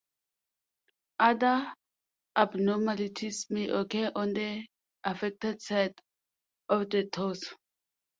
Other abnormalities may occur on the affected side of the torso.